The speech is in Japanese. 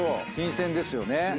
新鮮ですよね。